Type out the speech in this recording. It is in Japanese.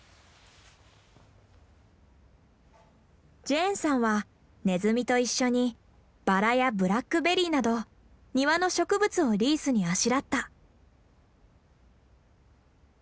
ジェーンさんはネズミと一緒にバラやブラックベリーなど庭の植物をリースにあしらった。